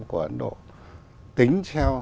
của ấn độ tính theo